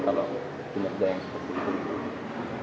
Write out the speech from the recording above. kalau di bbrd yang terkutuk